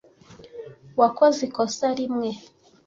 Wakoze ikosa rimwe.